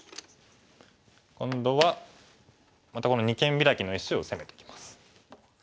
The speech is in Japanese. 今度はまたこの二間ビラキの石を攻めてきます。